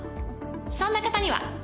そんな方には。